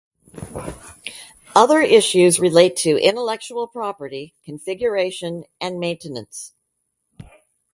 Other issues relate to intellectual property, configuration and maintenance.